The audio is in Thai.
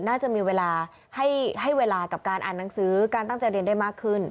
น่าจะมีเวลาให้เวลากับการอ่านหนังสือการตั้งใจเรียนได้มากขึ้น